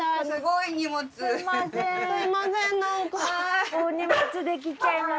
すごい。